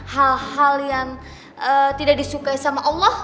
hal hal yang tidak disukai sama allah